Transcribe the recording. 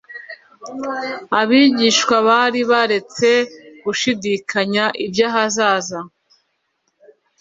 Abigishwa bari baretse gushidikanya iby'ahazaza.